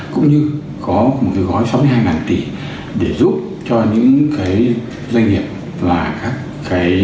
cũng như có một cái gói sáu mươi hai tỷ để giúp cho những cái doanh nghiệp và các cái